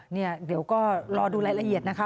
เดี๋ยวก็รอดูรายละเอียดนะคะ